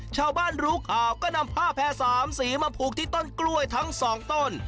ชาวบ้านรู้ข่าวก็นำผ้าแพร่๓สีมาผูกที่ต้นกล้วยทั้งสองต้น